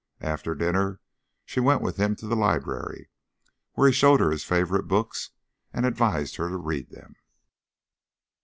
After dinner she went with him to the library, where he showed her his favourite books, and advised her to read them.